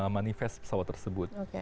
manifest pesawat tersebut